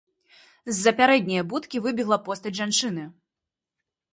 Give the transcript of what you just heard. З-за пярэдняе будкі выбегла постаць жанчыны.